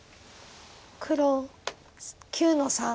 黒９の三。